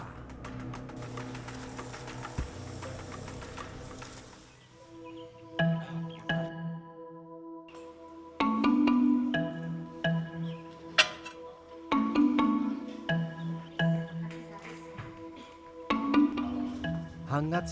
siti ini kaitannya dengan tanah